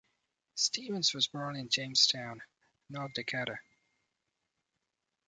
Stevens was born in Jamestown, North Dakota.